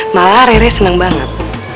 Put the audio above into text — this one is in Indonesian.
malah rire seneng banget